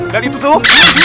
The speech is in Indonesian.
dan itu tuh